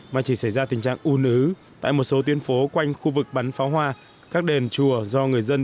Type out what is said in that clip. mà chỉ xảy ra tình trạng u nứ tại một số tuyến phố quanh khu vực bắn pháo hoa các đền chùa do người dân